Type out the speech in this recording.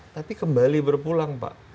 tapi kembali berpulang pak